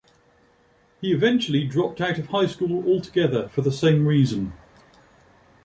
He eventually dropped out of high school altogether, for the same reason.